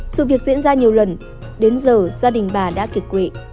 sự việc diễn ra nhiều lần đến giờ gia đình bà đã kiệt quệ